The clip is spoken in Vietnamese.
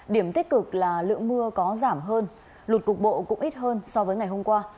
điểm tích cực là lượng mưa có giảm hơn lụt cục bộ cũng ít hơn so với ngày hôm qua